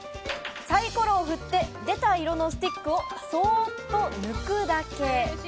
サイコロを振って出た色のスティックをそっと抜くだけ。